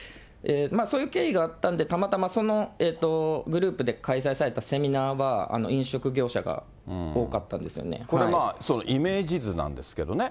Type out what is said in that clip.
そういう経緯があったんで、たまたまそのグループで開催されたセミナーは、これまあ、そのイメージ図なんですけどね。